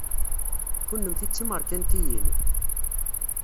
Kennemti d timerkantiyin?